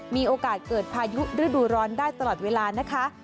มีโอกาสเกิดพายุฤดูร้อนได้ตลอดเวลานะคะ